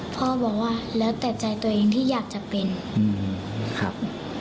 พ่อบอกว่าแล้วแต่ใจตัวเองที่อยากจะเป็นครับ